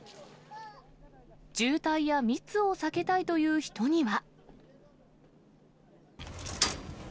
渋滞や密を避けたいという人には。